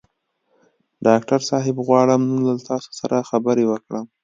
ډاکټر صاحب غواړم نن له تاسو سره خبرې وکړم.